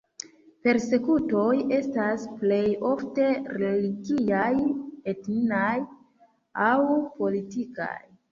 Persekutoj estas plej ofte religiaj, etnaj aŭ politikaj.